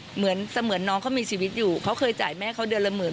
เหมือนน้องเขามีชีวิตอยู่เขาเคยจ่ายแม่เขาเดือนละหมื่น